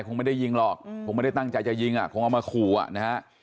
ว่าคงไม่ได้ยิงหรอกผมไม่ได้ตั้งใจจะยิงชายก็ไม่ใช่ภาพอารการทฤษฐภาษาอักติ์บินที่แรงสงสมฉีก